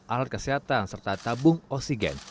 alat kesehatan serta tabung oksigen